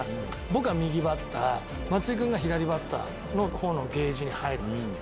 僕は右バッター松井君が左バッターのケージに入るんですよ。